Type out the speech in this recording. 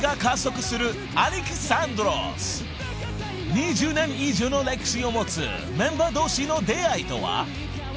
［２０年以上の歴史を持つメンバー同士の出会いとは］